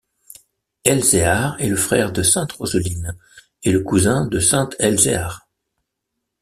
Elzéar est le frère de sainte Roseline et le cousin de saint Elzéar.